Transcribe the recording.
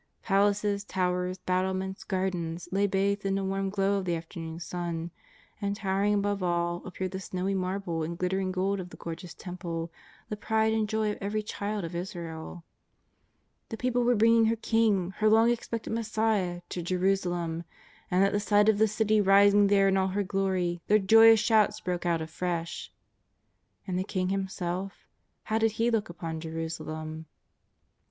Palaces, towers, battlements, gardens, lay bathed in the warm glow of the afternoon sun ; and, towering above all, appeared the snowy marble and glittering gold of the gorgeous Temple, the pride and the joy of every child of Israel. The people were bringing her King, her long expected Messiah, to Jeru salem, and at the sight of the City rising there in all her glory, their joyous shouts broke out afresh. And the King Himself — how did He look upon Jerusalem